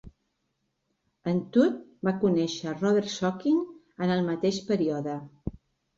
En Todd va conèixer Robert Sonkin en el mateix període.